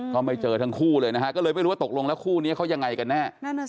ก็ไม่เจอทั้งคู่เลยนะฮะก็เลยไม่รู้ว่าตกลงแล้วคู่นี้เขายังไงกันแน่